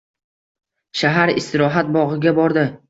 Shahar istirohat bog‘iga bordi.